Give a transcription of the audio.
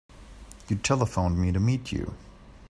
You telephoned me to meet you.